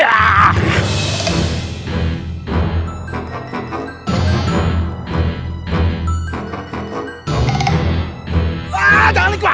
ah jangan ikut